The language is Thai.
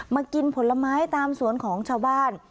กินผลไม้ตามสวนของชาวบ้าน